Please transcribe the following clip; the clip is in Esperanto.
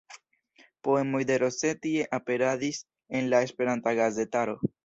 Poemoj de Rossetti aperadis en la Esperanta gazetaro.